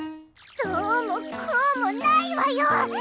どうもこうもないわよ。